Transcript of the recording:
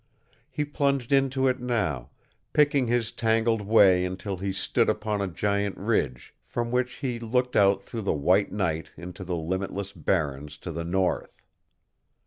He plunged into it now, picking his tangled way until he stood upon a giant ridge, from which he looked out through the white night into the limitless barrens to the north.